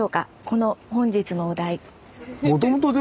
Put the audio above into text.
この本日のお題。